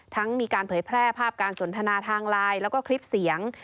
มีการเผยแพร่ภาพการสนทนาทางไลน์แล้วก็คลิปเสียง